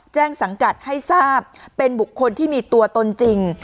สังกัดให้ทราบเป็นบุคคลที่มีตัวตนจริง